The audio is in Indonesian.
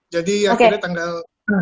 jadi akhirnya tanggal enam